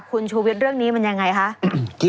คุณชูวิทย์เรื่องนี้มันยังไงคะ